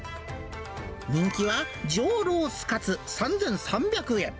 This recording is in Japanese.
人気は、上ロースかつ３３００円。